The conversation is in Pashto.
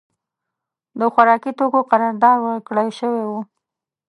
د خوارکي توکیو قرارداد ورکړای شوی و.